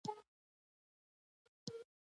دا د کاربوهایډریټ یوه بڼه ده